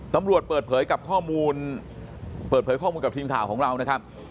เปิดเผยกับข้อมูลเปิดเผยข้อมูลกับทีมข่าวของเรานะครับ